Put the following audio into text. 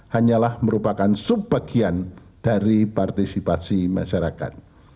hanyalah merupakan subbagian dari partisipasi masyarakat